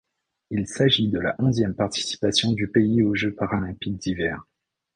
Il s'agit de la onzième participation du pays aux Jeux paralympiques d'hiver.